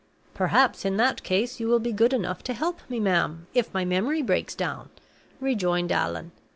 "Perhaps in that case you will be good enough to help me, ma'am, if my memory breaks down," rejoined Allan.